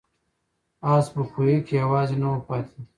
آس په کوهي کې یوازې نه و پاتې.